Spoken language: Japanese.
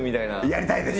やりたいでしょ！？